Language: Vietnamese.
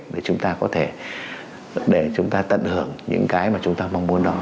để chúng ta có thể để chúng ta tận hưởng những cái mà chúng ta mong muốn đó